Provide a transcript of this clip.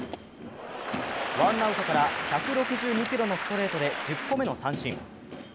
ワンアウトから１６２キロのストレートで１０個目の三振。